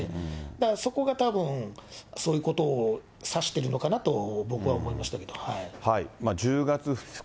だからそこがたぶんそういうことを指してるのかなと、僕は思いま１０月２日。